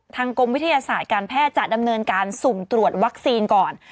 กรมวิทยาศาสตร์การแพทย์จะดำเนินการสุ่มตรวจวัคซีนก่อน